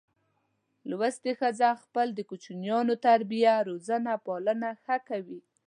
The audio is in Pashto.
لوستي ښځه خپل د کوچینیانو تربیه روزنه پالنه ښه کوي.